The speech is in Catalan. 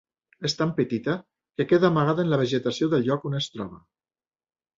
És tan petita que queda amagada en la vegetació del lloc on es troba.